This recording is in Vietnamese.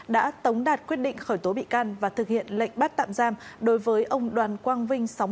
đã tống đạt quyết định khởi tố bị can và thực hiện lệnh bắt tạm giam đối với ông đoàn quang vinh